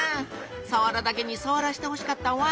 さわらだけにさわらしてほしかったわ。